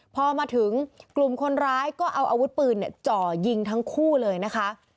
พอมาถึงกลุ่มคนร้ายก็เอาอาวุธปืนจ่อยิงทั้งคู่เลยนะคะ